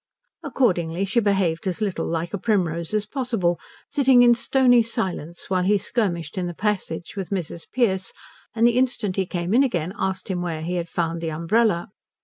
Accordingly she behaved as little like a primrose as possible, sitting in stony silence while he skirmished in the passage with Mrs. Pearce, and the instant he came in again asked him where he had found the umbrella.